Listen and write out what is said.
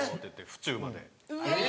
府中まで。